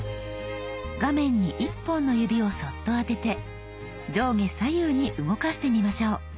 画面に１本の指をそっと当てて上下左右に動かしてみましょう。